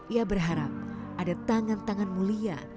ia berharap ada tangan tangan mulia